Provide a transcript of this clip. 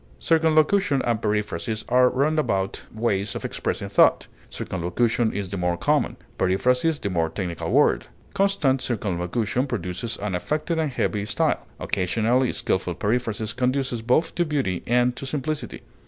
Circumlocution and periphrasis are roundabout ways of expressing thought; circumlocution is the more common, periphrasis the more technical word. Constant circumlocution produces an affected and heavy style; occasionally, skilful periphrasis conduces both to beauty and to simplicity.